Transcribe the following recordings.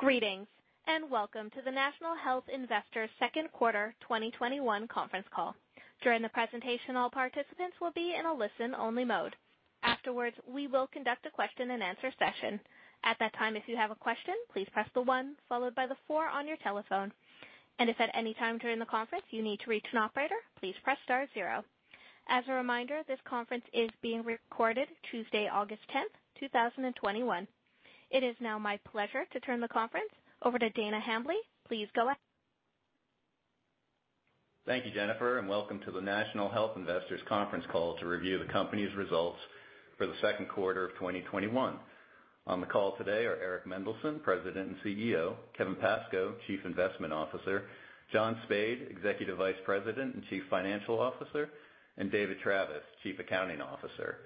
Greetings, and welcome to the National Health Investors Second Quarter 2021 conference call. During the presentation, all participants will be in a listen-only mode. Afterwards, we will conduct a question-and-answer session. At that time, if you have a question, please press the one followed by the four on your telephone. And if at any time during the conference you need to reach an operator, please press star zero. As a reminder, this conference is being recorded Tuesday, August 10th, 2021. It is now my pleasure to turn the conference over to Dana Hambly. Please go ahead. Thank you, Jennifer, and welcome to the National Health Investors conference call to review the company's results for the second quarter of 2021. On the call today are Eric Mendelsohn, President and CEO, Kevin Pascoe, Chief Investment Officer, John Spaid, Executive Vice President and Chief Financial Officer, and David Travis, Chief Accounting Officer.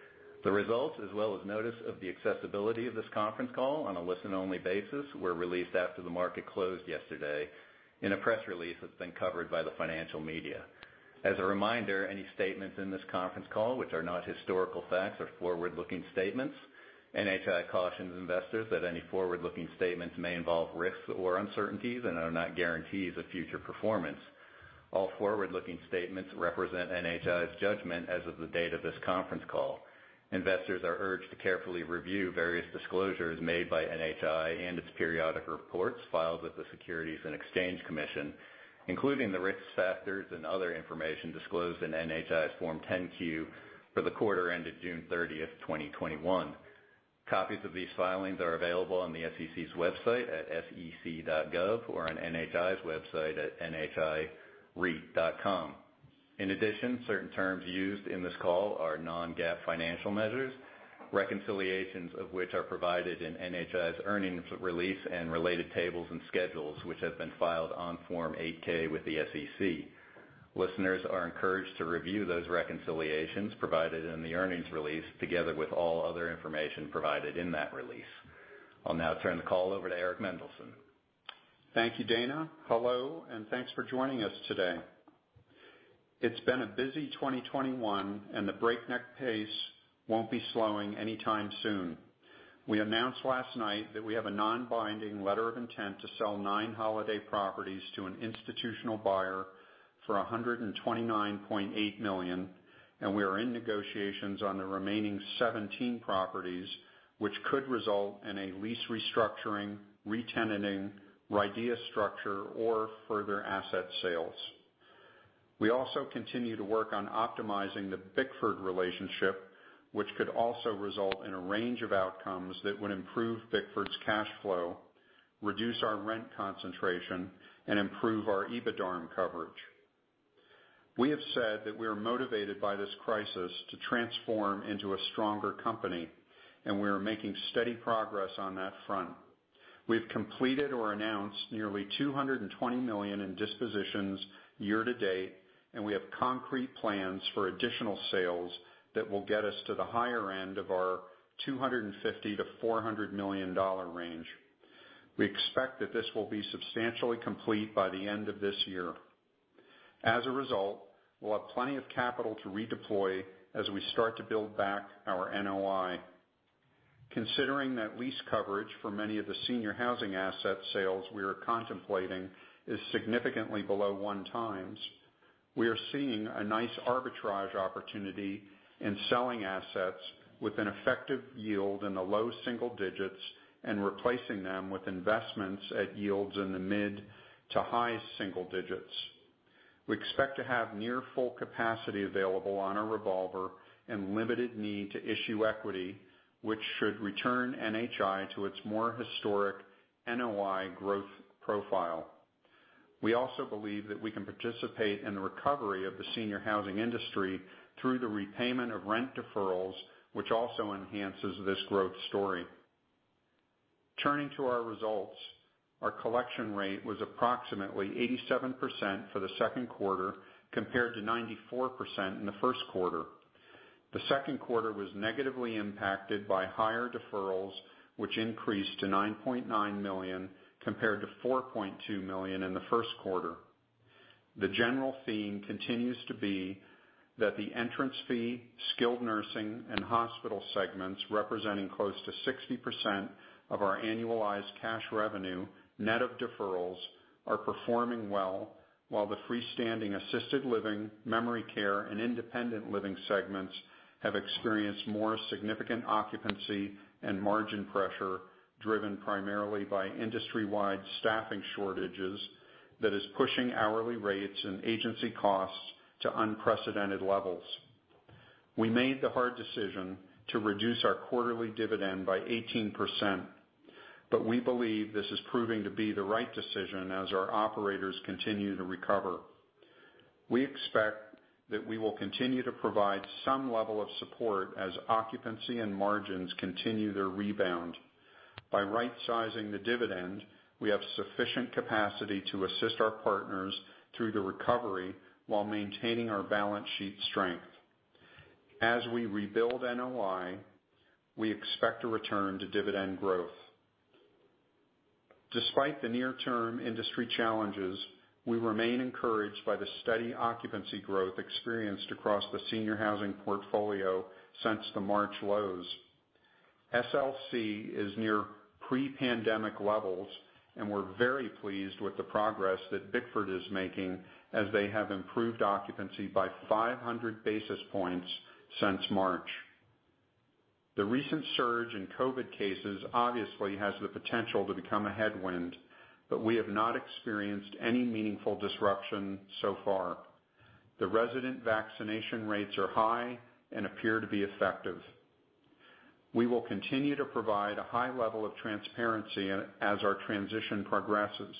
The results, as well as notice of the accessibility of this conference call on a listen-only basis, were released after the market closed yesterday in a press release that's been covered by the financial media. As a reminder, any statements in this conference call, which are not historical facts, are forward-looking statements. NHI cautions investors that any forward-looking statements may involve risks or uncertainties and are not guarantees of future performance. All forward-looking statements represent NHI's judgment as of the date of this conference call. Investors are urged to carefully review various disclosures made by NHI and its periodic reports filed with the Securities and Exchange Commission, including the risk factors and other information disclosed in NHI's Form 10-Q for the quarter ended June 30th, 2021. Copies of these filings are available on the SEC's website at sec.gov or on NHI's website at nhireit.com. In addition, certain terms used in this call are non-GAAP financial measures, reconciliations of which are provided in NHI's earnings release and related tables and schedules, which have been filed on Form 8-K with the SEC. Listeners are encouraged to review those reconciliations provided in the earnings release, together with all other information provided in that release. I'll now turn the call over to Eric Mendelsohn. Thank you, Dana. Hello, and thanks for joining us today. It's been a busy 2021, and the breakneck pace won't be slowing anytime soon. We announced last night that we have a non-binding letter of intent to sell 9 Holiday properties to an institutional buyer for $129.8 million, and we are in negotiations on the remaining 17 properties, which could result in a lease restructuring, retenanting, RIDEA structure, or further asset sales. We also continue to work on optimizing the Bickford relationship, which could also result in a range of outcomes that would improve Bickford's cash flow, reduce our rent concentration, and improve our EBITDARM coverage. We have said that we are motivated by this crisis to transform into a stronger company, and we are making steady progress on that front. We've completed or announced nearly $220 million in dispositions year to date. We have concrete plans for additional sales that will get us to the higher end of our $250 million-$400 million range. We expect that this will be substantially complete by the end of this year. As a result, we'll have plenty of capital to redeploy as we start to build back our NOI. Considering that lease coverage for many of the senior housing asset sales we are contemplating is significantly below one times, we are seeing a nice arbitrage opportunity in selling assets with an effective yield in the low single digits and replacing them with investments at yields in the mid to high single digits. We expect to have near full capacity available on our revolver and limited need to issue equity, which should return NHI to its more historic NOI growth profile. We also believe that we can participate in the recovery of the senior housing industry through the repayment of rent deferrals, which also enhances this growth story. Turning to our results, our collection rate was approximately 87% for the second quarter, compared to 94% in the first quarter. The second quarter was negatively impacted by higher deferrals, which increased to $9.9 million, compared to $4.2 million in the first quarter. The general theme continues to be that the entrance fee, skilled nursing, and hospital segments, representing close to 60% of our annualized cash revenue, net of deferrals, are performing well, while the free-standing assisted living, memory care, and independent living segments have experienced more significant occupancy and margin pressure, driven primarily by industry-wide staffing shortages that is pushing hourly rates and agency costs to unprecedented levels. We made the hard decision to reduce our quarterly dividend by 18%, but we believe this is proving to be the right decision as our operators continue to recover. We expect that we will continue to provide some level of support as occupancy and margins continue their rebound. By right-sizing the dividend, we have sufficient capacity to assist our partners through the recovery while maintaining our balance sheet strength. As we rebuild NOI, we expect a return to dividend growth. Despite the near-term industry challenges. We remain encouraged by the steady occupancy growth experienced across the senior housing portfolio since the March lows. SLC is near pre-pandemic levels, and we're very pleased with the progress that Bickford is making, as they have improved occupancy by 500 basis points since March. The recent surge in COVID cases obviously has the potential to become a headwind, but we have not experienced any meaningful disruption so far. The resident vaccination rates are high and appear to be effective. We will continue to provide a high level of transparency as our transition progresses.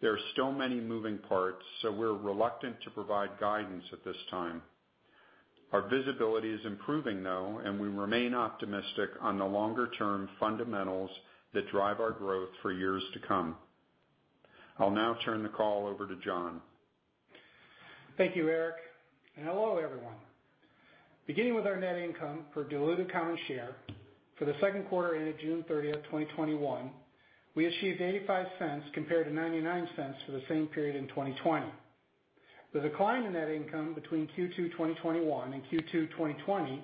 There are still many moving parts, so we're reluctant to provide guidance at this time. Our visibility is improving though, and we remain optimistic on the longer-term fundamentals that drive our growth for years to come. I'll now turn the call over to John. Thank you, Eric, and hello, everyone. Beginning with our net income for diluted common share for the second quarter ended June 30th, 2021, we achieved $0.85 compared to $0.99 for the same period in 2020. The decline in net income between Q2 2021 and Q2 2020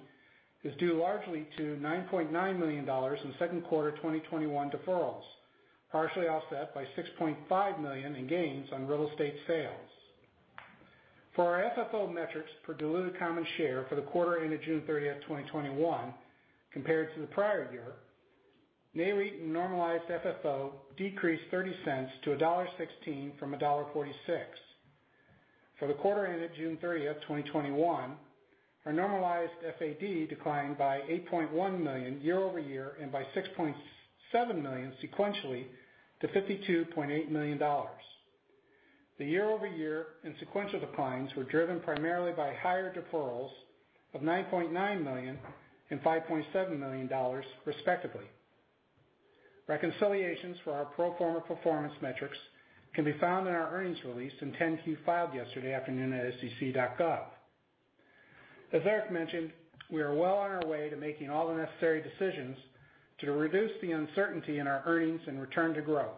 is due largely to $9.9 million in second quarter 2021 deferrals, partially offset by $6.5 million in gains on real estate sales. For our FFO metrics for diluted common share for the quarter ended June 30th, 2021 compared to the prior year, NAREIT normalized FFO decreased $0.30 to $1.16 from $1.46. For the quarter ended June 30th, 2021, our normalized FAD declined by $8.1 million year-over-year and by $6.7 million sequentially to $52.8 million. The year-over-year and sequential declines were driven primarily by higher deferrals of $9.9 million and $5.7 million, respectively. Reconciliations for our pro forma performance metrics can be found in our earnings release in 10-Q filed yesterday afternoon at sec.gov. As Eric mentioned, we are well on our way to making all the necessary decisions to reduce the uncertainty in our earnings and return to growth.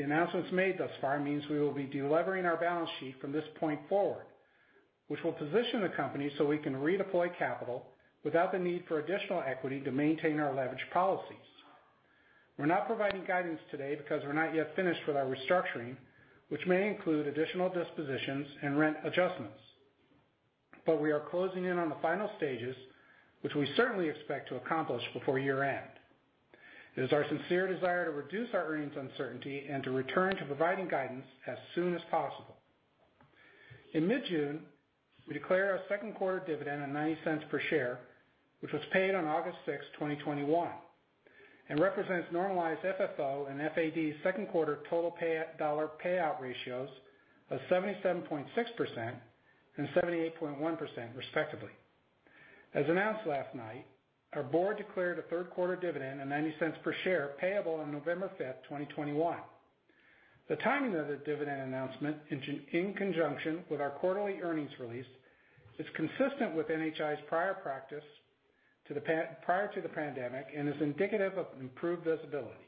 The announcements made thus far means we will be de-levering our balance sheet from this point forward, which will position the company so we can redeploy capital without the need for additional equity to maintain our leverage policies. We're not providing guidance today because we're not yet finished with our restructuring, which may include additional dispositions and rent adjustments. We are closing in on the final stages, which we certainly expect to accomplish before year-end. It is our sincere desire to reduce our earnings uncertainty and to return to providing guidance as soon as possible. In mid-June, we declared our second quarter dividend of $0.90 per share, which was paid on August 6th, 2021, and represents normalized FFO and FAD second quarter total dollar payout ratios of 77.6% and 78.1%, respectively. As announced last night, our board declared a third quarter dividend of $0.90 per share payable on November 5th, 2021. The timing of the dividend announcement in conjunction with our quarterly earnings release is consistent with NHI's prior practice prior to the pandemic and is indicative of improved visibility.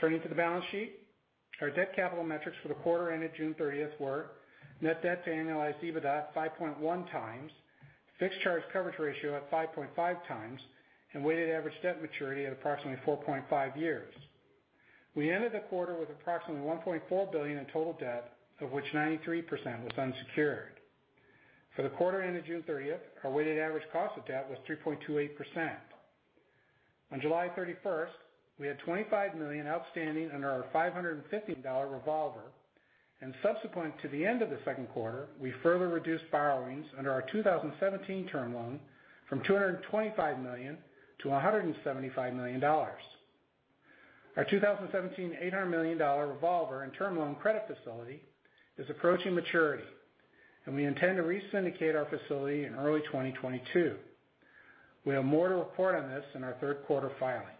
Turning to the balance sheet, our debt capital metrics for the quarter ended June 30th were net debt to annualized EBITDA 5.1x, fixed charge coverage ratio at 5.5x, and weighted average debt maturity at approximately 4.5 years. We ended the quarter with approximately $1.4 billion in total debt, of which 93% was unsecured. For the quarter ended June 30th, our weighted average cost of debt was 3.28%. On July 31st, we had $25 million outstanding under our $550 million revolver, and subsequent to the end of the second quarter, we further reduced borrowings under our 2017 term loan from $225 million to $175 million. Our 2017 $800 million revolver and term loan credit facility is approaching maturity, and we intend to re-syndicate our facility in early 2022. We have more to report on this in our third quarter filings.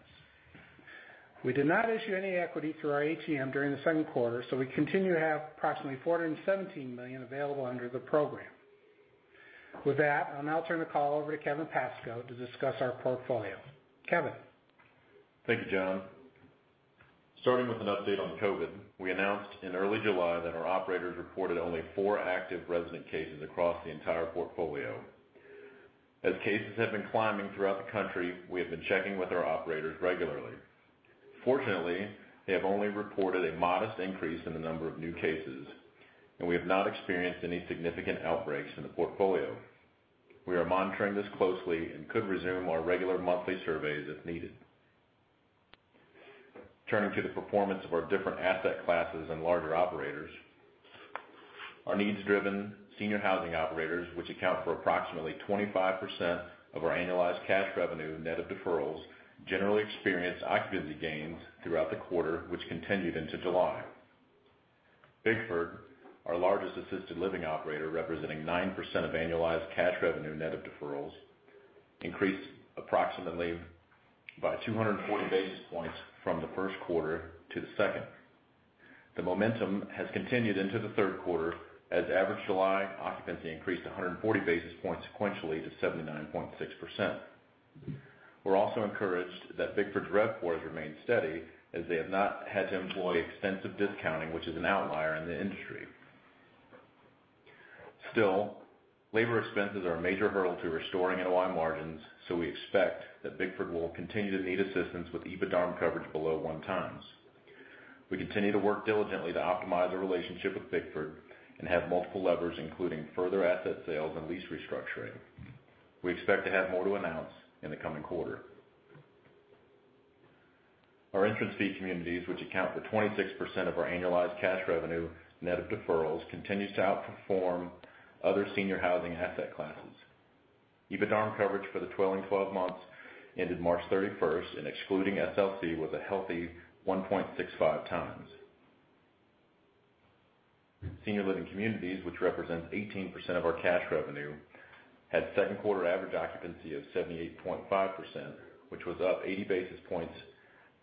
We did not issue any equity through our ATM during the second quarter, so we continue to have approximately $417 million available under the program. With that, I'll now turn the call over to Kevin Pascoe to discuss our portfolio. Kevin? Thank you, John. Starting with an update on COVID, we announced in early July that our operators reported only four active resident cases across the entire portfolio. As cases have been climbing throughout the country, we have been checking with our operators regularly. Fortunately, they have only reported a modest increase in the number of new cases, and we have not experienced any significant outbreaks in the portfolio. We are monitoring this closely and could resume our regular monthly surveys if needed. Turning to the performance of our different asset classes and larger operators, our needs-driven senior housing operators, which account for approximately 25% of our annualized cash revenue net of deferrals, generally experienced occupancy gains throughout the quarter, which continued into July. Bickford, our largest assisted living operator, representing 9% of annualized cash revenue net of deferrals, increased approximately by 240 basis points from the first quarter to the second. The momentum has continued into the third quarter as average July occupancy increased 140 basis points sequentially to 79.6%. We're also encouraged that Bickford's RevPAR has remained steady as they have not had to employ extensive discounting, which is an outlier in the industry. Still, labor expenses are a major hurdle to restoring NOI margins, so we expect that Bickford will continue to need assistance with EBITDARM coverage below 1x. We continue to work diligently to optimize our relationship with Bickford and have multiple levers, including further asset sales and lease restructuring. We expect to have more to announce in the coming quarter. Our entrance fee communities, which account for 26% of our annualized cash revenue net of deferrals, continues to outperform other senior housing asset classes. EBITDARM coverage for the trailing 12 months ended March 31st and excluding SLC was a healthy 1.65x. Senior Living Communities, which represents 18% of our cash revenue, had second quarter average occupancy of 78.5%, which was up 80 basis points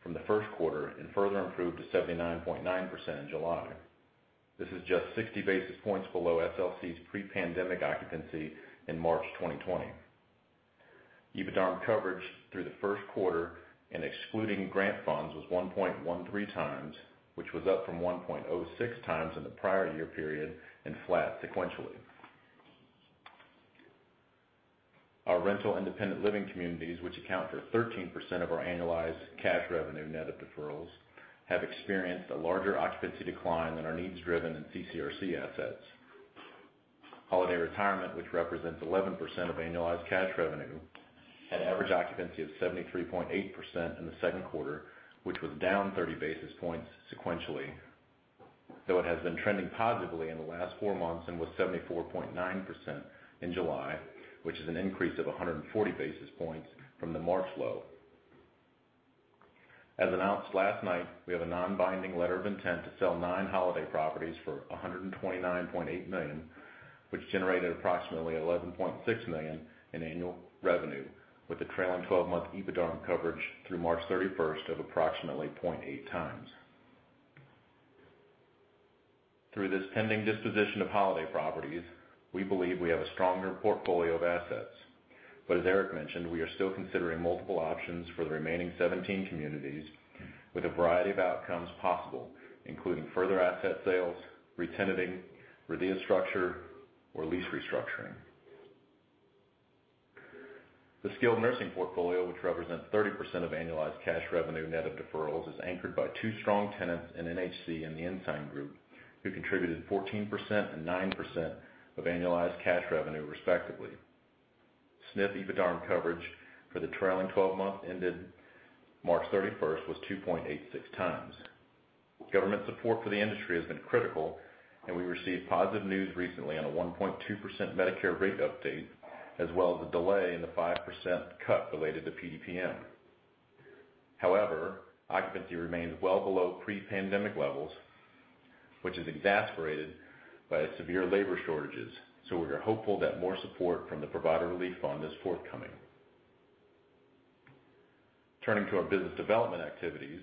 from the first quarter and further improved to 79.9% in July. This is just 60 basis points below SLC's pre-pandemic occupancy in March 2020. EBITDARM coverage through the first quarter and excluding grant funds was 1.13x, which was up from 1.06x in the prior year period and flat sequentially. Our rental independent living communities, which account for 13% of our annualized cash revenue net of deferrals, have experienced a larger occupancy decline than our needs-driven and CCRC assets. Holiday Retirement, which represents 11% of annualized cash revenue, had average occupancy of 73.8% in the second quarter, which was down 30 basis points sequentially, though it has been trending positively in the last four months and was 74.9% in July, which is an increase of 140 basis points from the March low. As announced last night, we have a non-binding letter of intent to sell nine Holiday properties for $129.8 million, which generated approximately $11.6 million in annual revenue, with a trailing 12-month EBITDARM coverage through March 31st of approximately 0.8x. Through this pending disposition of Holiday properties, we believe we have a stronger portfolio of assets. As Eric mentioned, we are still considering multiple options for the remaining 17 communities with a variety of outcomes possible, including further asset sales, re-tenanting, restructure, or lease restructuring. The skilled nursing portfolio, which represents 30% of annualized cash revenue net of deferrals, is anchored by two strong tenants in NHC and The Ensign Group, who contributed 14% and 9% of annualized cash revenue, respectively. SNF EBITDARM coverage for the trailing 12 months ended March 31st was 2.86x. We received positive news recently on a 1.2% Medicare rate update, as well as a delay in the 5% cut related to PDPM. However, occupancy remains well below pre-pandemic levels, which is exacerbated by severe labor shortages, we are hopeful that more support from the Provider Relief Fund is forthcoming. Turning to our business development activities.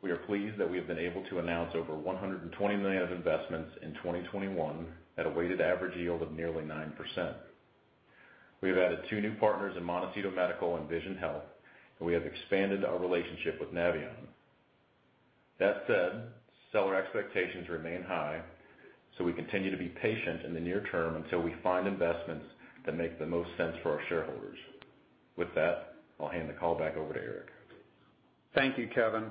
We are pleased that we have been able to announce over $120 million of investments in 2021 at a weighted average yield of nearly 9%. We have added two new partners in Montecito Medical and Vizion Health, and we have expanded our relationship with Navion. That said, seller expectations remain high, so we continue to be patient in the near term until we find investments that make the most sense for our shareholders. With that, I'll hand the call back over to Eric. Thank you, Kevin.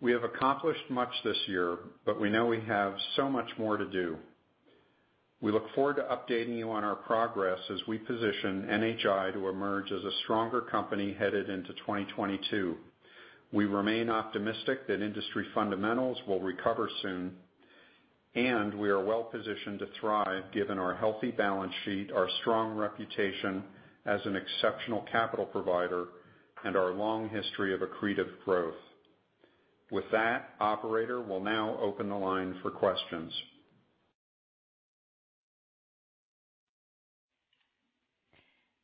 We have accomplished much this year, but we know we have so much more to do. We look forward to updating you on our progress as we position NHI to emerge as a stronger company headed into 2022. We remain optimistic that industry fundamentals will recover soon, and we are well positioned to thrive given our healthy balance sheet, our strong reputation as an exceptional capital provider, and our long history of accretive growth. With that, operator, we'll now open the line for questions.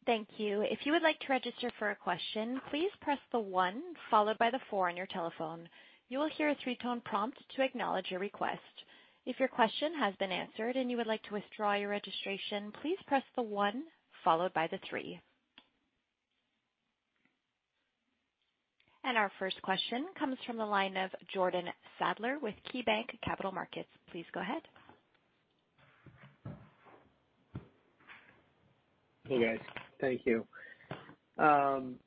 Thank you. If you would like to register for a question, please press the one followed by the four on your telephone. You'll hear a three-toned prompt to acknowledge your request. If your question has been answered and you would like to withdraw your registration, please press the one, followed by the three. Our first question comes from the line of Jordan Sadler with KeyBanc Capital Markets. Please go ahead. Hey, guys. Thank you. Wanted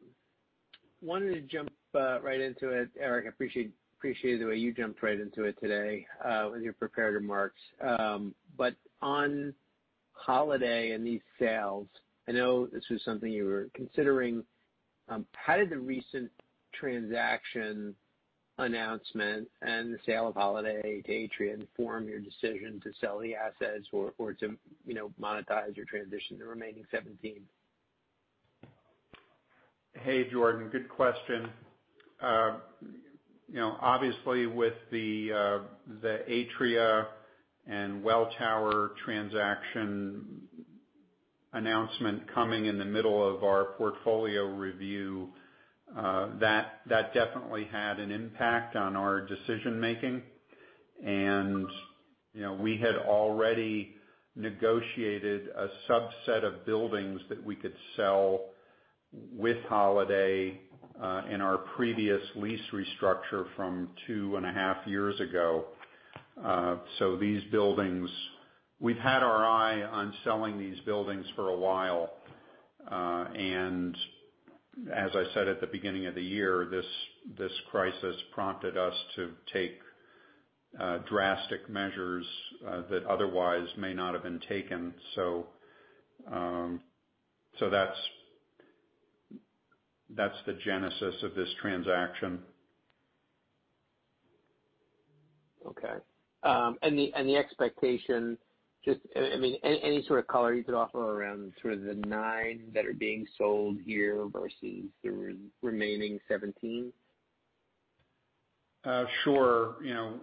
to jump right into it, Eric. I appreciate the way you jumped right into it today with your prepared remarks. On Holiday and these sales, I know this was something you were considering. How did the recent transaction announcement and the sale of Holiday to Atria inform your decision to sell the assets or to monetize or transition the remaining 17? Hey, Jordan, good question. Obviously, with the Atria and Welltower transaction announcement coming in the middle of our portfolio review, that definitely had an impact on our decision making. We had already negotiated a subset of buildings that we could sell with Holiday in our previous lease restructure from two and a half years ago. These buildings, we've had our eye on selling these buildings for a while. As I said at the beginning of the year, this crisis prompted us to take drastic measures that otherwise may not have been taken. That's the genesis of this transaction. Okay. The expectation, any sort of color you could offer around sort of the 9 that are being sold here versus the remaining 17? Sure.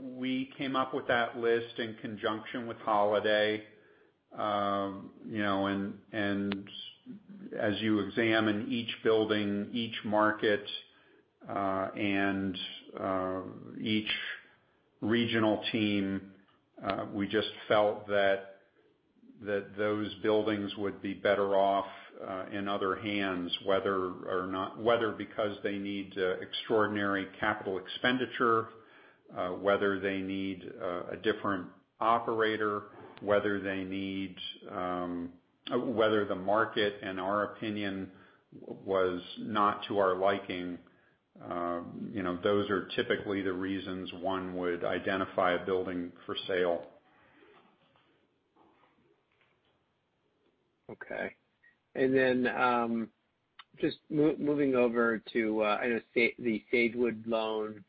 We came up with that list in conjunction with Holiday. As you examine each building, each market, and each regional team, we just felt that those buildings would be better off in other hands. Whether because they need extraordinary capital expenditure, whether they need a different operator, whether the market, in our opinion, was not to our liking. Those are typically the reasons one would identify a building for sale. Okay. Just moving over to the Sagewood loan,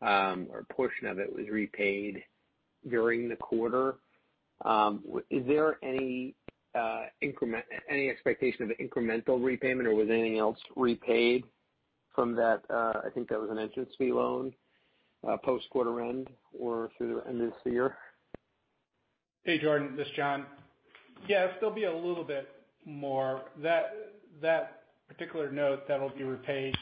or a portion of it was repaid during the quarter. Is there any expectation of incremental repayment, or was anything else repaid from that, I think that was an interest-free loan, post quarter end or through the end of this year? Hey, Jordan, this is John. Yeah, there'll be a little bit more. That particular note that'll be repaid,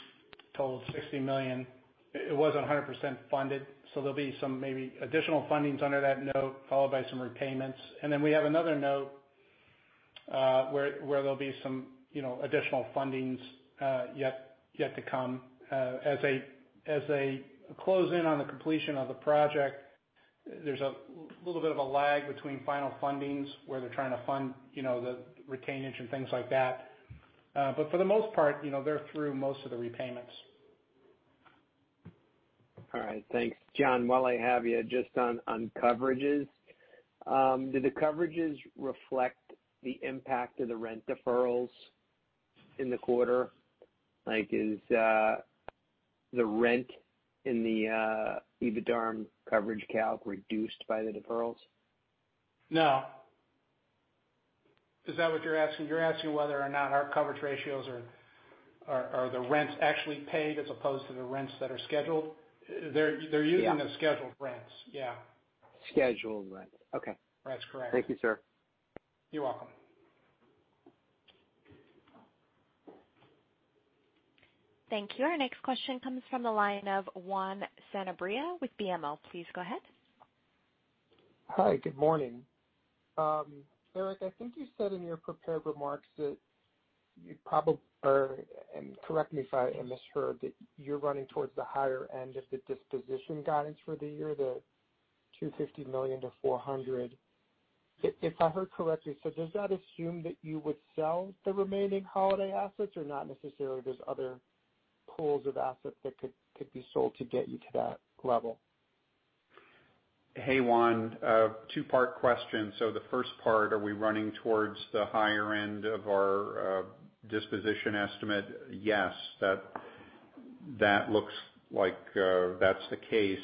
total of $60 million, it wasn't 100% funded, so there'll be some maybe additional fundings under that note, followed by some repayments. We have another note, where there'll be some additional fundings yet to come. As they close in on the completion of the project, there's a little bit of a lag between final fundings, where they're trying to fund the retainage and things like that. For the most part, they're through most of the repayments. All right, thanks. John, while I have you, just on coverages. Do the coverages reflect the impact of the rent deferrals in the quarter? Like, is the rent in the EBITDA coverage calc reduced by the deferrals? No. Is that what you're asking? You're asking whether or not our coverage ratios are the rents actually paid as opposed to the rents that are scheduled? Yeah. They're using the scheduled rents. Yeah. Scheduled rents. Okay. That's correct. Thank you, sir. You're welcome. Thank you. Our next question comes from the line of Juan Sanabria with BMO. Please go ahead. Hi. Good morning. Eric, I think you said in your prepared remarks that you probably, or correct me if I misheard, that you're running towards the higher end of the disposition guidance for the year, the $250 million-$400 million. If I heard correctly, does that assume that you would sell the remaining Holiday assets or not necessarily, there's other pools of assets that could be sold to get you to that level? Hey, Juan. A two-part question. The first part, are we running towards the higher end of our disposition estimate? Yes. That looks like that's the case.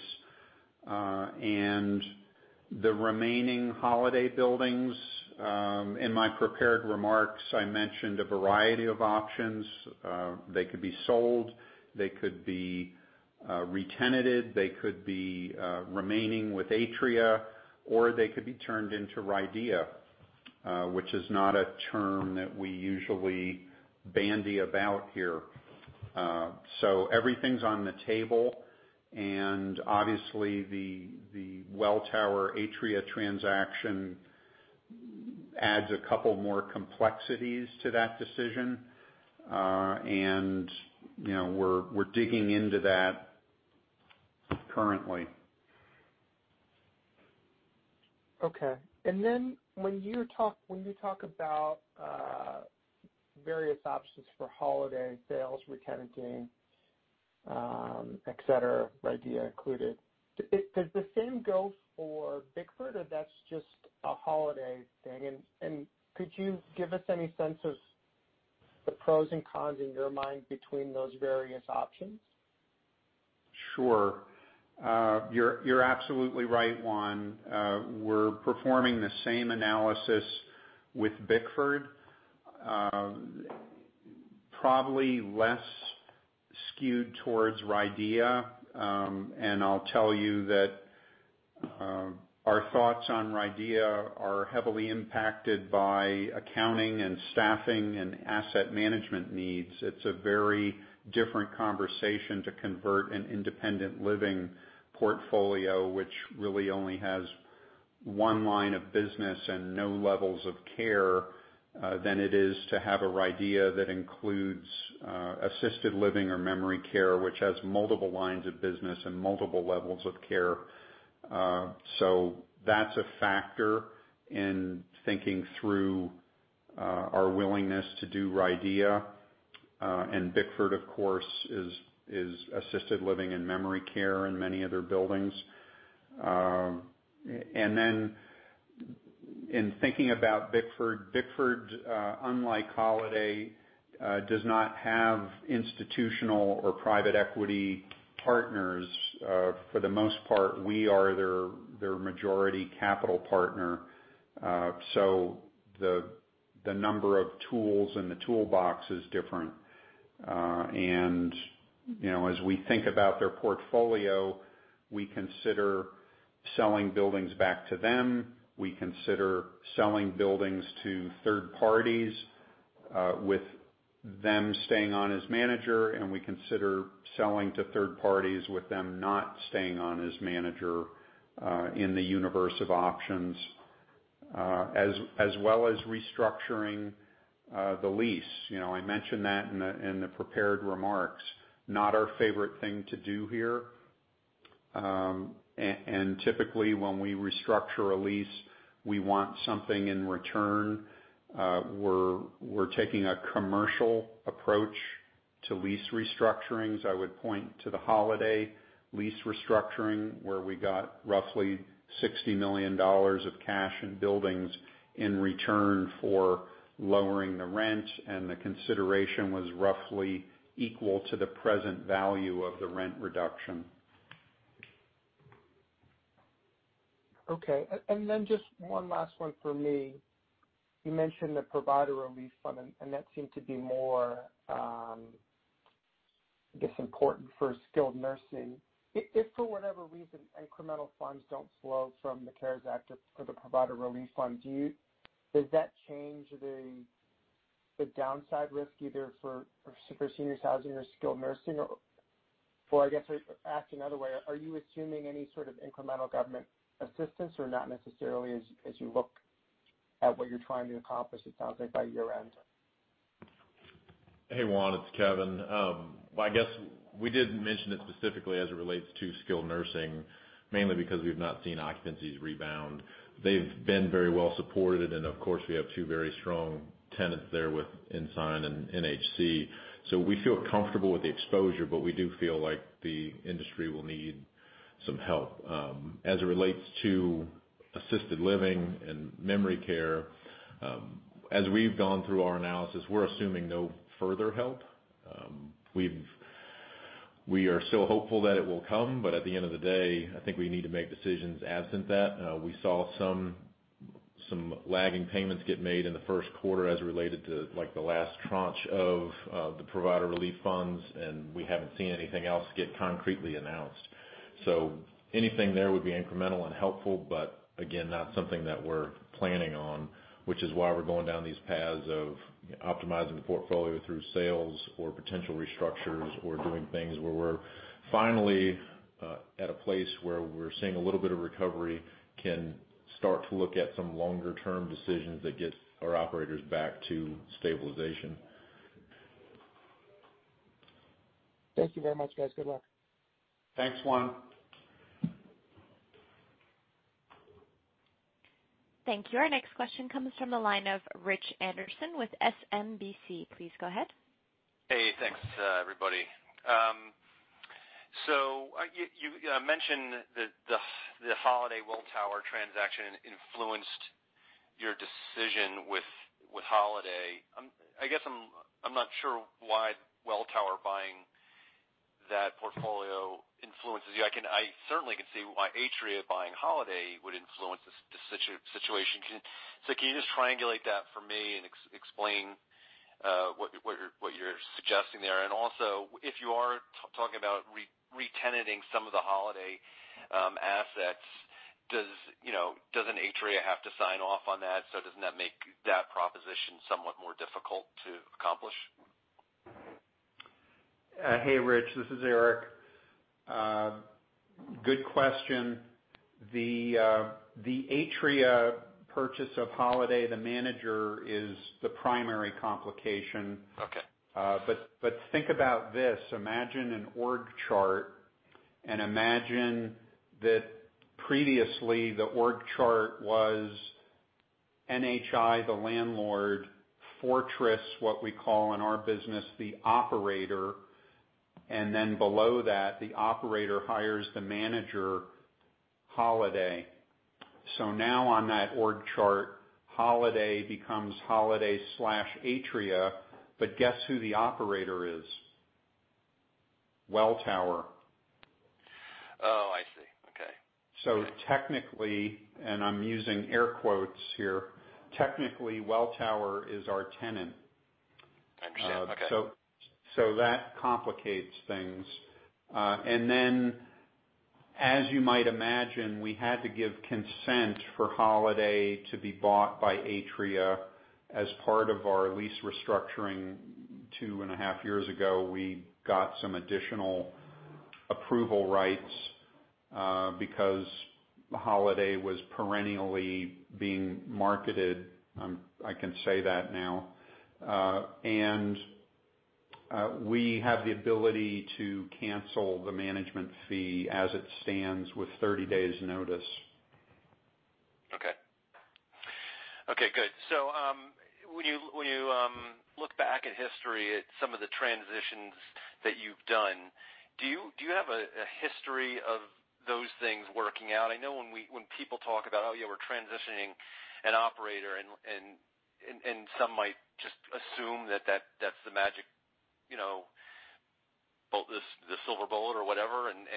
The remaining Holiday buildings, in my prepared remarks, I mentioned a variety of options. They could be sold, they could be re-tenanted, they could be remaining with Atria, or they could be turned into RIDEA, which is not a term that we usually bandy about here. Everything's on the table, and obviously the Welltower Atria transaction adds a couple more complexities to that decision. We're digging into that currently. Okay. When you talk about various options for Holiday, sales, re-tenanting, et cetera, RIDEA included, does the same go for Bickford, or that's just a Holiday thing? Could you give us any sense of the pros and cons in your mind between those various options? Sure. You're absolutely right, Juan. We're performing the same analysis with Bickford. Probably less skewed towards RIDEA. Our thoughts on RIDEA are heavily impacted by accounting and staffing and asset management needs. It's a very different conversation to convert an independent living portfolio, which really only has one line of business and no levels of care than it is to have a RIDEA that includes assisted living or memory care, which has multiple lines of business and multiple levels of care. That's a factor in thinking through our willingness to do RIDEA. Bickford, of course, is assisted living and memory care in many other buildings. In thinking about Bickford, unlike Holiday, does not have institutional or private equity partners. For the most part, we are their majority capital partner. The number of tools in the toolbox is different. As we think about their portfolio, we consider selling buildings back to them. We consider selling buildings to third parties, with them staying on as manager, and we consider selling to third parties with them not staying on as manager, in the universe of options, as well as restructuring the lease. I mentioned that in the prepared remarks. Not our favorite thing to do here. Typically, when we restructure a lease, we want something in return. We're taking a commercial approach to lease restructurings. I would point to the Holiday lease restructuring, where we got roughly $60 million of cash in buildings in return for lowering the rent, and the consideration was roughly equal to the present value of the rent reduction. Okay. Then just one last one for me. You mentioned the Provider Relief Fund, and that seemed to be more, I guess, important for skilled nursing. If for whatever reason, incremental funds don't flow from the CARES Act or for the Provider Relief Fund, does that change the downside risk either for super seniors housing or skilled nursing or. I guess I'll ask another way. Are you assuming any sort of incremental government assistance or not necessarily as you look at what you're trying to accomplish, it sounds like by year-end? Hey, Juan, it's Kevin. Well, I guess we didn't mention it specifically as it relates to skilled nursing, mainly because we've not seen occupancies rebound. They've been very well supported, and of course, we have two very strong tenants there with Ensign and NHC. We feel comfortable with the exposure, but we do feel like the industry will need some help. As it relates to assisted living and memory care, as we've gone through our analysis, we're assuming no further help. We are still hopeful that it will come, but at the end of the day, I think we need to make decisions absent that. We saw some lagging payments get made in the first quarter as related to the last tranche of the Provider Relief Funds. We haven't seen anything else get concretely announced. Anything there would be incremental and helpful, but again, not something that we're planning on, which is why we're going down these paths of optimizing the portfolio through sales or potential restructures or doing things where we're finally at a place where we're seeing a little bit of recovery can start to look at some longer-term decisions that get our operators back to stabilization. Thank you very much, guys. Good luck. Thanks, Juan. Thank you. Our next question comes from the line of Rich Anderson with SMBC. Please go ahead. Hey, thanks everybody. You mentioned the Holiday-Welltower transaction influenced your decision with Holiday. I guess I'm not sure why Welltower buying that portfolio influences you. I certainly can see why Atria buying Holiday would influence the situation. Can you just triangulate that for me and explain what you're suggesting there? Also, if you are talking about retenanting some of the Holiday assets, doesn't Atria have to sign off on that? Doesn't that make that proposition somewhat more difficult to accomplish? Hey, Rich. This is Eric. Good question. The Atria purchase of Holiday, the manager, is the primary complication. Okay. Think about this. Imagine an org chart, and imagine that previously the org chart was NHI, the landlord, Fortress, what we call in our business, the operator, and then below that, the operator hires the manager, Holiday. Now on that org chart, Holiday becomes Holiday/Atria, but guess who the operator is? Welltower. Oh, I see. Okay. "Technically," and I'm using air quotes here, technically Welltower is our tenant Gotcha. Okay That complicates things. As you might imagine, we had to give consent for Holiday to be bought by Atria as part of our lease restructuring two and a half years ago. We got some additional approval rights, because Holiday was perennially being marketed. I can say that now. We have the ability to cancel the management fee as it stands with 30 days notice. Okay. Okay, good. When you look back at history at some of the transitions that you've done, do you have a history of those things working out? I know when people talk about, "Oh, yeah, we're transitioning an operator," and some might just assume that that's the magic silver bullet or whatever, and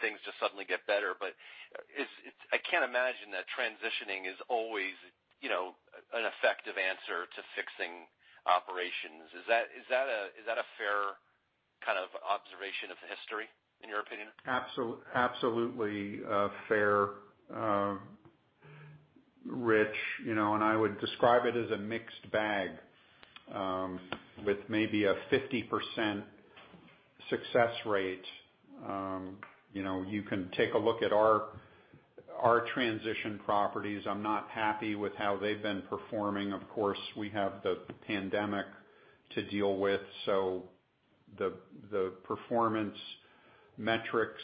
things just suddenly get better. I can't imagine that transitioning is always an effective answer to fixing operations. Is that a fair observation of history in your opinion? Absolutely fair, Rich. I would describe it as a mixed bag, with maybe a 50% success rate. You can take a look at our transition properties. I'm not happy with how they've been performing. Of course, we have the pandemic to deal with, so the performance metrics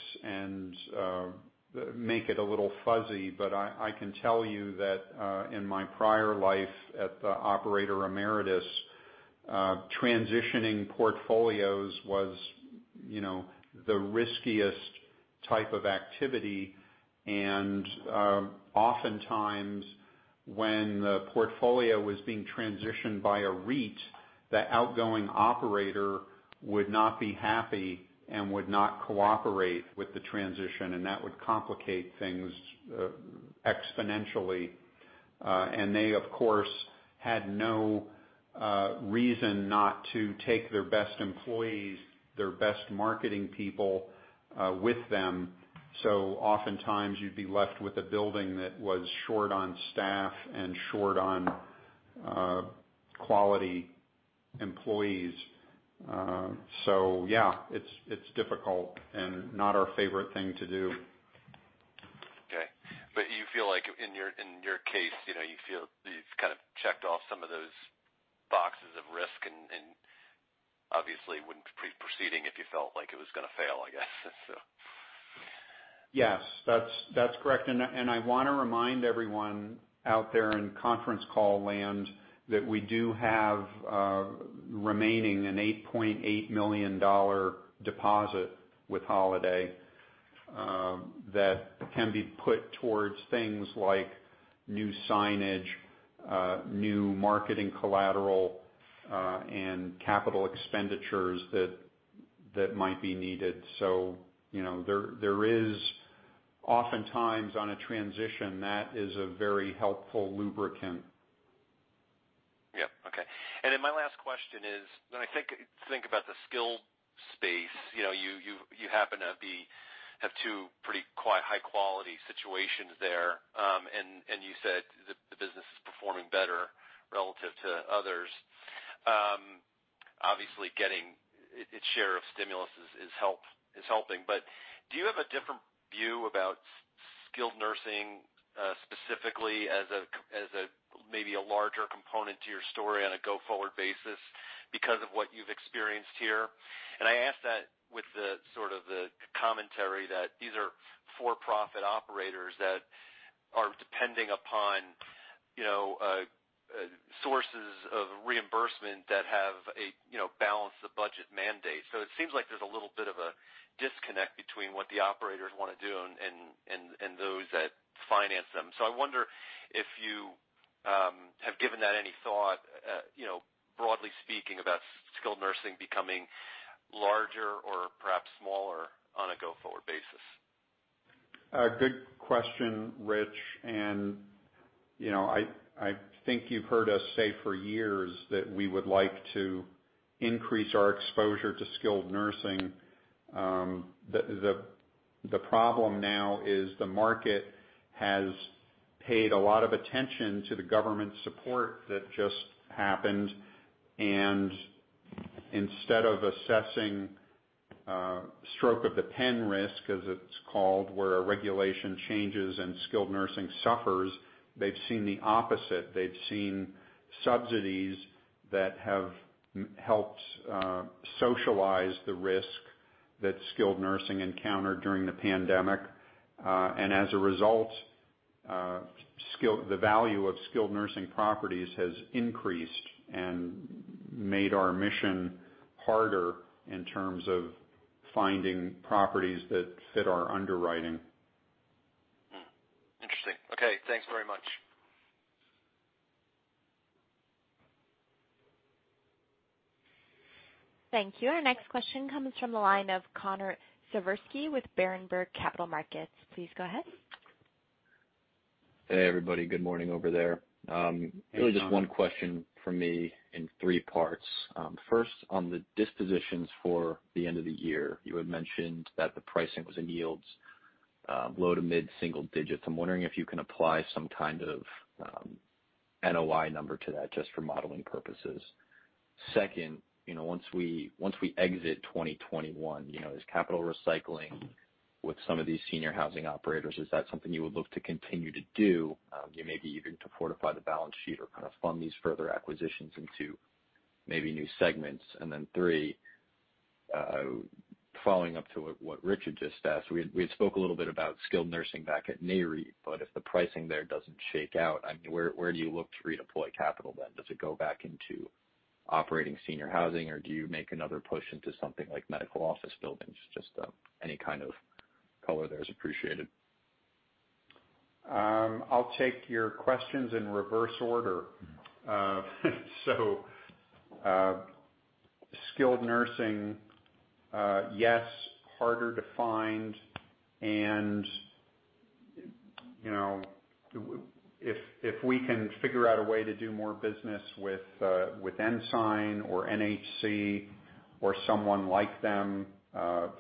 make it a little fuzzy. I can tell you that, in my prior life at the operator Emeritus, transitioning portfolios was the riskiest type of activity. Oftentimes, when the portfolio was being transitioned by a REIT, the outgoing operator would not be happy and would not cooperate with the transition, and that would complicate things exponentially. They, of course, had no reason not to take their best employees, their best marketing people with them. Oftentimes you'd be left with a building that was short on staff and short on quality employees. Yeah, it's difficult and not our favorite thing to do. Okay. You feel like in your case, you feel you've checked off some of those boxes of risk, and obviously wouldn't be proceeding if you felt like it was going to fail, I guess so. Yes. That's correct. I want to remind everyone out there in conference call land that we do have remaining an $8.8 million deposit with Holiday, that can be put towards things like new signage, new marketing collateral, and capital expenditures that might be needed. There is oftentimes on a transition, that is a very helpful lubricant. Yep. Okay. My last question is, when I think about the skilled space, you happen to have two pretty high-quality situations there. You said the business is performing better relative to others. Obviously getting its share of stimulus is helping, do you have a different view about skilled nursing, specifically as maybe a larger component to your story on a go-forward basis because of what you've experienced here? I ask that with the commentary that these are for-profit operators that are depending upon sources of reimbursement that have a balance the budget mandate. It seems like there's a little bit of a disconnect between what the operators want to do and those that finance them. I wonder if you have given that any thought, broadly speaking, about skilled nursing becoming larger or perhaps smaller on a go-forward basis. Good question, Rich. I think you've heard us say for years that we would like to increase our exposure to skilled nursing. The problem now is the market has paid a lot of attention to the government support that just happened. Instead of assessing stroke of the pen risk, as it's called, where a regulation changes and skilled nursing suffers, they've seen the opposite. They've seen subsidies that have helped socialize the risk that skilled nursing encountered during the pandemic. As a result, the value of skilled nursing properties has increased and made our mission harder in terms of finding properties that fit our underwriting. Interesting. Okay. Thanks very much. Thank you. Our next question comes from the line of Connor Siversky with Berenberg Capital Markets. Please go ahead. Hey everybody. Good morning over there. Hey, Connor. Really just one question from me in three parts. First, on the dispositions for the end of the year, you had mentioned that the pricing was in yields low to mid-single digits. I'm wondering if you can apply some kind of NOI number to that, just for modeling purposes. Second, once we exit 2021, is capital recycling with some of these senior housing operators, is that something you would look to continue to do, maybe even to fortify the balance sheet or kind of fund these further acquisitions into maybe new segments? Three, following up to what Rich just asked, we had spoke a little bit about skilled nursing back at NAREIT, if the pricing there doesn't shake out, where do you look to redeploy capital then? Does it go back into operating senior housing or do you make another push into something like medical office buildings? Just any kind of color there is appreciated. I'll take your questions in reverse order. Skilled nursing, yes, harder to find and if we can figure out a way to do more business with Ensign or NHC or someone like them,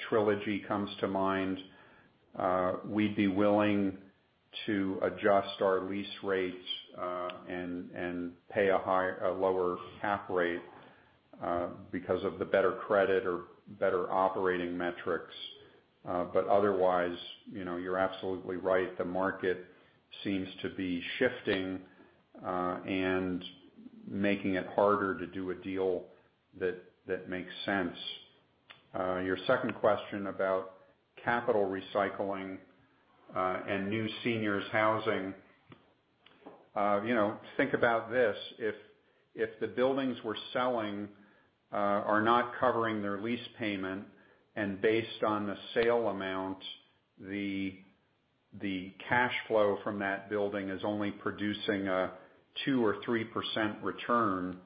Trilogy comes to mind, we'd be willing to adjust our lease rates and pay a lower cap rate because of the better credit or better operating metrics. Otherwise, you're absolutely right. The market seems to be shifting and making it harder to do a deal that makes sense. Your second question about capital recycling and new senior housing. Think about this, if the buildings we're selling are not covering their lease payment, and based on the sale amount, the cash flow from that building is only producing a 2% or 3% return,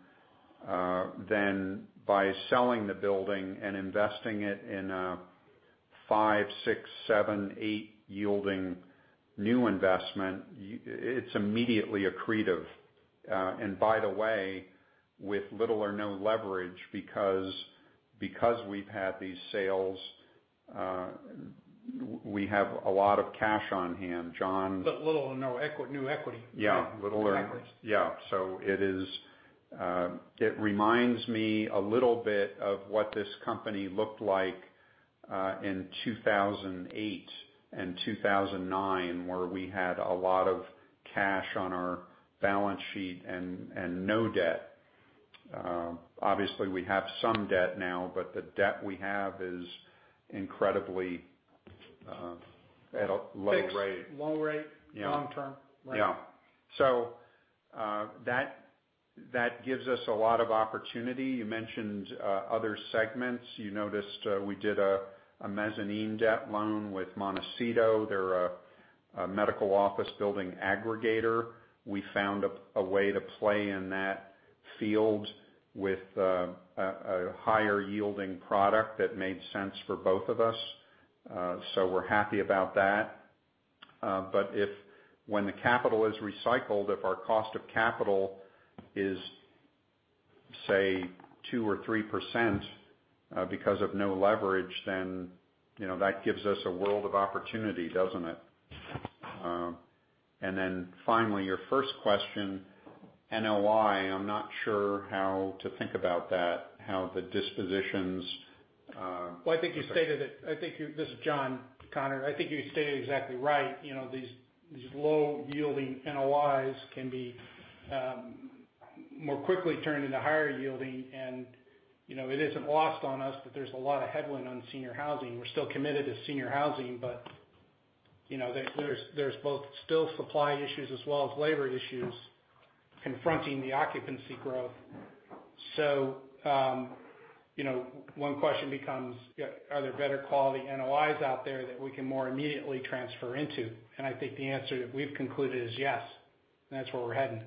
then by selling the building and investing it in a 5%, 6%, 7%, 8% yielding new investment, it's immediately accretive. By the way, with little or no leverage, because we've had these sales, we have a lot of cash on hand. Little or no new equity. Yeah. New equity. It reminds me a little bit of what this company looked like in 2008 and 2009, where we had a lot of cash on our balance sheet and no debt. Obviously, we have some debt now. The debt we have is incredibly at a low rate. Fixed, low rate. Yeah. Long term. Yeah. That gives us a lot of opportunity. You mentioned other segments. You noticed we did a mezzanine debt loan with Montecito. They're a medical office building aggregator. We found a way to play in that field with a higher yielding product that made sense for both of us. We're happy about that. When the capital is recycled, if our cost of capital is, say, 2% or 3% because of no leverage, that gives us a world of opportunity, doesn't it? Finally, your first question, NOI. I'm not sure how to think about that, how the dispositions- Well, I think you stated it. This is John, Connor. I think you stated it exactly right. These low yielding NOIs can be more quickly turned into higher yielding and it isn't lost on us that there's a lot of headwind on senior housing. We're still committed to senior housing, but there's both still supply issues as well as labor issues confronting the occupancy growth. One question becomes, are there better quality NOIs out there that we can more immediately transfer into? I think the answer that we've concluded is yes, and that's where we're heading.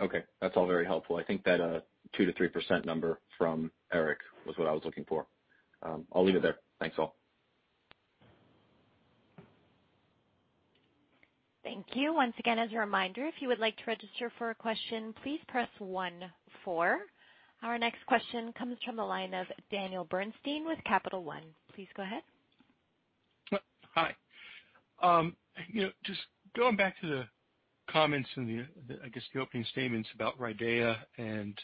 Okay. That's all very helpful. I think that 2%-3% number from Eric was what I was looking for. I'll leave it there. Thanks all. Thank you. Once again, as a reminder, if you would like to register for a question, please press one four. Our next question comes from the line of Daniel Bernstein with Capital One. Please go ahead. Hi. Just going back to the comments in the, I guess, the opening statements about RIDEA and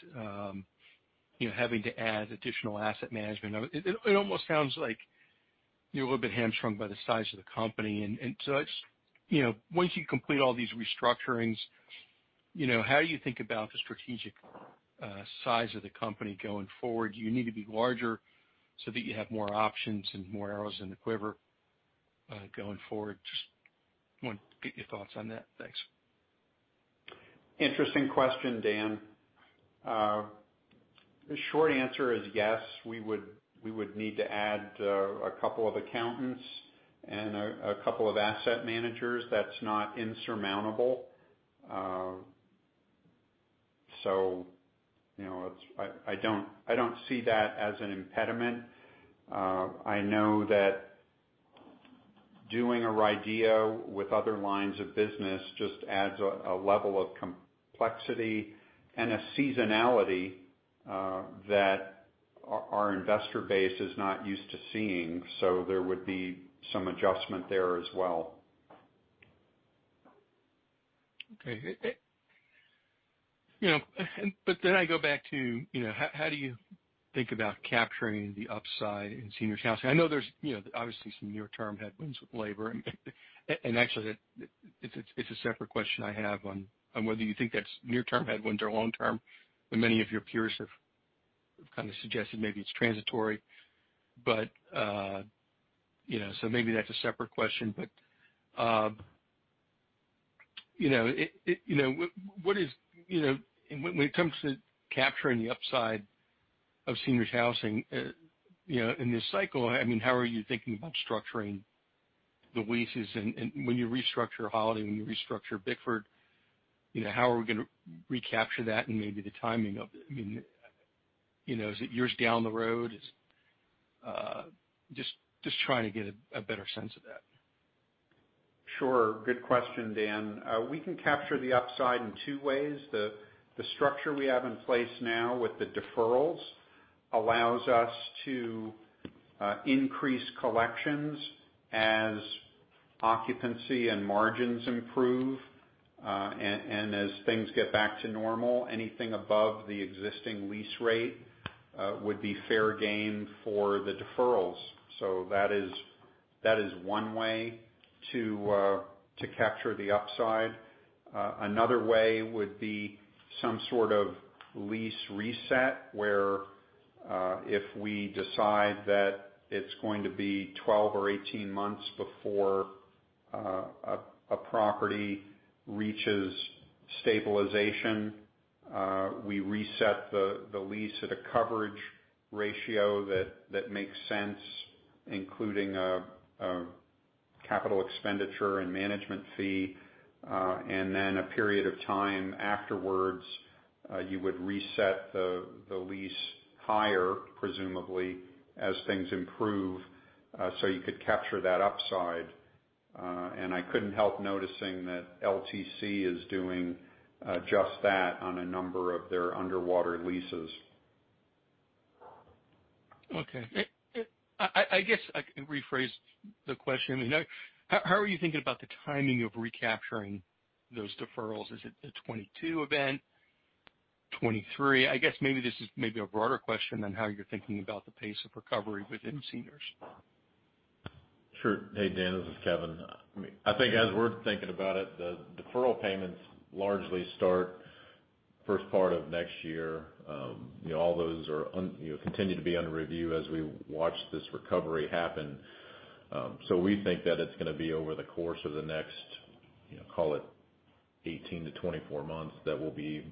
having to add additional asset management. It almost sounds like you're a little bit hamstrung by the size of the company. Once you complete all these restructurings, how do you think about the strategic size of the company going forward? Do you need to be larger so that you have more options and more arrows in the quiver going forward? Just want to get your thoughts on that. Thanks. Interesting question, Daniel. The short answer is yes, we would need to add a couple of accountants and a couple of asset managers. That's not insurmountable. I don't see that as an impediment. I know that doing a RIDEA with other lines of business just adds a level of complexity and a seasonality that our investor base is not used to seeing. There would be some adjustment there as well. I go back to how do you think about capturing the upside in senior housing? I know there's obviously some near-term headwinds with labor, and actually, it's a separate question I have on whether you think that's near term headwinds or long term. Many of your peers have kind of suggested maybe it's transitory. Maybe that's a separate question. When it comes to capturing the upside of senior housing, in this cycle, how are you thinking about structuring the leases and when you restructure Holiday, when you restructure Bickford, how are we going to recapture that and maybe the timing of it? Is it years down the road? Just trying to get a better sense of that. Sure. Good question, Dan. We can capture the upside in two ways. The structure we have in place now with the deferrals allows us to increase collections as occupancy and margins improve. As things get back to normal, anything above the existing lease rate would be fair game for the deferrals. That is one way to capture the upside. Another way would be some sort of lease reset, where if we decide that it's going to be 12 or 18 months before a property reaches stabilization, we reset the lease at a coverage ratio that makes sense, including a capital expenditure and management fee. Then a period of time afterwards, you would reset the lease higher, presumably, as things improve, you could capture that upside. I couldn't help noticing that LTC is doing just that on a number of their underwater leases. Okay. I guess I can rephrase the question. How are you thinking about the timing of recapturing those deferrals? Is it a 2022 event? 2023? I guess maybe this is a broader question than how you're thinking about the pace of recovery within seniors. Sure. Hey, Dan, this is Kevin. I think as we're thinking about it, the deferral payments largely start first part of next year. All those continue to be under review as we watch this recovery happen. We think that it's going to be over the course of the next, call it 18 to 24 months, that we'll be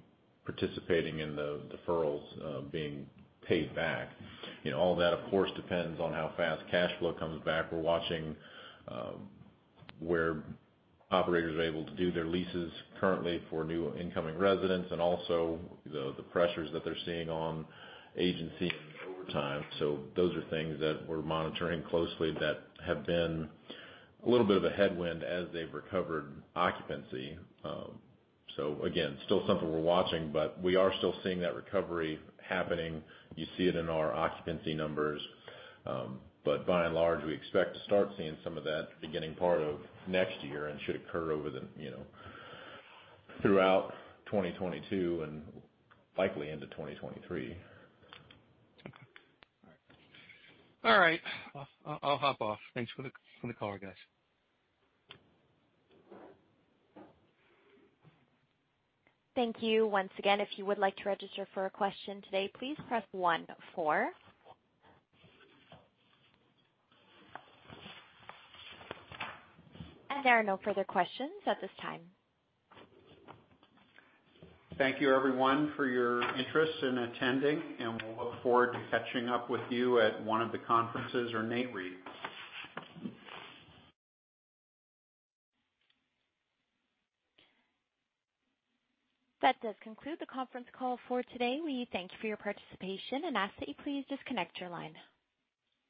participating in the deferrals being paid back. All that, of course, depends on how fast cash flow comes back. We're watching where operators are able to do their leases currently for new incoming residents and also the pressures that they're seeing on agency and overtime. Those are things that we're monitoring closely that have been a little bit of a headwind as they've recovered occupancy. Again, still something we're watching, we are still seeing that recovery happening. You see it in our occupancy numbers. By and large, we expect to start seeing some of that beginning part of next year and should occur throughout 2022 and likely into 2023. Okay. All right. I'll hop off. Thanks for the call, guys. Thank you. Once again, if you would like to register for a question today, please press one four. There are no further questions at this time. Thank you everyone for your interest in attending, and we'll look forward to catching up with you at one of the conferences or NAREIT. That does conclude the conference call for today. We thank you for your participation and ask that you please disconnect your line.